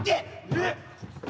えっ。